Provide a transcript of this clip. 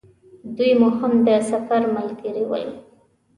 دوی مو هم د سفر ملګري ول.